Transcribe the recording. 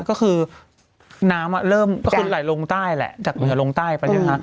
ก็คือน้ำเริ่มก็คือไหลลงใต้แหละจากเหนือลงใต้ไปใช่ไหมคะ